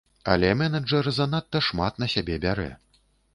Але менеджэр занадта шмат на сябе бярэ.